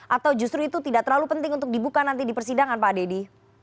atau justru itu tidak terlalu penting untuk dibuka nanti di persidangan pak dedy